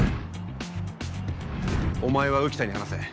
お前は浮田に話せ。